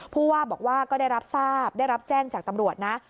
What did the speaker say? ผู้ว่าบอกว่าก็ได้รับทราบได้รับแจ้งจากตำรวจนะ